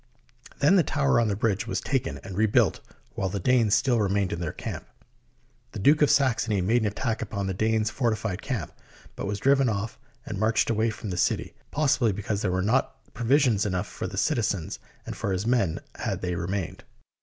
Then the tower on the bridge was taken and rebuilt while the Danes still remained in their camp. The Duke of Saxony made an attack upon the Danes' fortified camp, but was driven off and marched away from the city, possibly because there were not provisions enough for the citizens and for his men had they remained.